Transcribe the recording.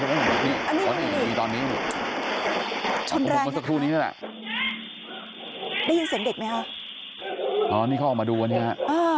ได้ยินเสียงเด็ดไหมครับอันนี้เขาออกมาดูวันนี้ครับ